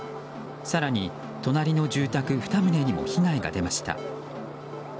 更に、隣の住宅２棟にも被害が出ました。